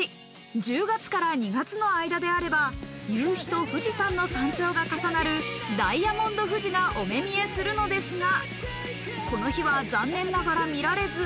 １０月から２月の間であれば夕日と富士山の山頂が重なるダイヤモンド富士がお目見えするのですが、この日は残念ながら見られず。